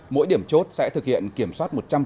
mỗi điểm chốt sẽ thực hiện kiểm soát